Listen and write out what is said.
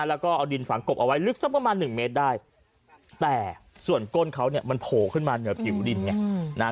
แล้วก็เอาดินฝังกบเอาไว้ลึกสักประมาณหนึ่งเมตรได้แต่ส่วนก้นเขาเนี่ยมันโผล่ขึ้นมาเหนือผิวดินไงนะฮะ